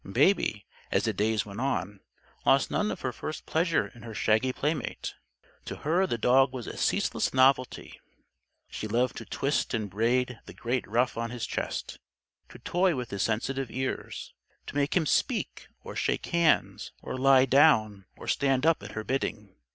Baby, as the days went on, lost none of her first pleasure in her shaggy playmate. To her, the dog was a ceaseless novelty. She loved to twist and braid the great white ruff on his chest, to toy with his sensitive ears, to make him "speak" or shake hands or lie down or stand up at her bidding.